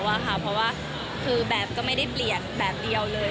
เพราะว่าคือแบบก็ไม่ได้เปลี่ยนแบบเดียวเลย